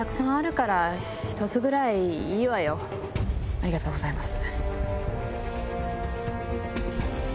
ありがとうございます。